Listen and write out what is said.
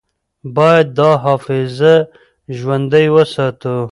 باید دا حافظه ژوندۍ وساتو.